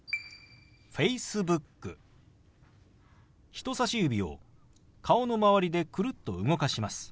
人さし指を顔の周りでくるっと動かします。